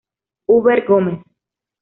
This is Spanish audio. Hubert Gómez.